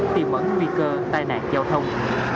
tìm ẩn nguy cơ tai nạn giao thông